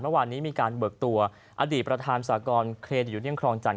เมื่อวานนี้มีการเบิกตัวอดีตประธานสากรเครดยูเนียนครองจันท